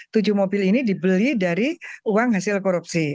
tujuh mobil ini dibeli dari uang hasil korupsi